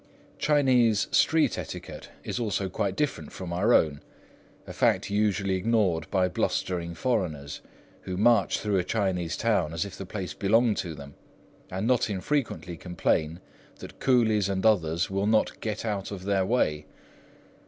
Chinese street etiquette is also quite different from our own, a fact usually ignored by blustering foreigners, who march through a Chinese town as if the place belonged to them, and not infrequently complain that coolies and others will not "get out of their way."